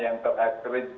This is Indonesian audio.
yang sudah ada video nya